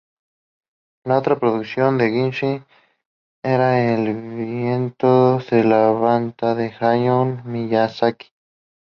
La otra producción de Ghibli era "El viento se levanta" de Hayao Miyazaki.